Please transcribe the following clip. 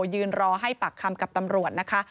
ยืนรอให้ปากคำกับตำรวจนะคะ